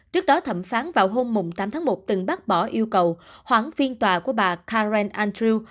trước đó thẩm phán vào hôm tám tháng một từng bác bỏ yêu cầu hoãn phiên tòa của bà karen andrew